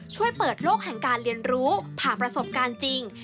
ช่วยเปิดโลกแห่งการเรียนรู้ผ่านประสบการณ์จริง